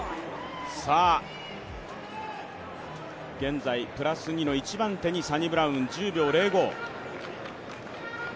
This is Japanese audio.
さあ、現在プラス２の一番手にサニブラウン１０秒０５。